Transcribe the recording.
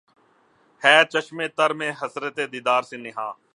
ھے چشم تر میں حسرت دیدار سے نہاں